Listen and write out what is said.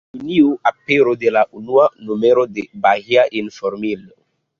En Junio apero de la unua numero de “Bahia Informilo”.